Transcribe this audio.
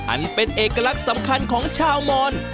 อันเป็นเอกลักษณ์สำคัญของชาวมอน